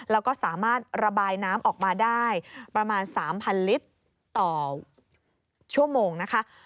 แล้วก็สามารถระบายน้ำออกมาได้ประมาณ๓๐๐ลิตรต่อชั่วโมงนะคะ